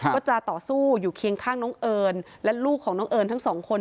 ก็จะต่อสู้อยู่เคียงข้างน้องเอิญและลูกของน้องเอิญทั้งสองคน